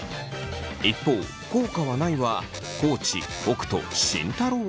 一方「効果はない」は地北斗慎太郎。